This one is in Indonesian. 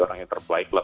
orang yang terbaik lah